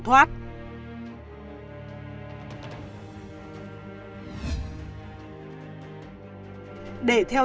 để theo dõi và sàng lọc được toàn bộ các điểm nghi vọng các cán bộ hình sự đã sàng lọc kiểm soát các camera an ninh dọc tuyến đường mà đối tượng có thể tẩu thoát